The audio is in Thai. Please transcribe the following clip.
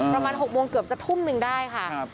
ประมาณ๖โมงเกือบจะทุ่มหนึ่งได้ค่ะ